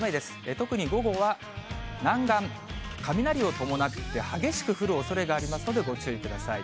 特に、午後は南岸、雷を伴って、激しく降るおそれがありますのでご注意ください。